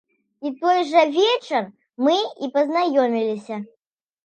У той жа вечар мы і пазнаёміліся.